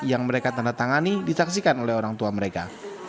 yang mereka tanda tangani disaksikan oleh orang tua mereka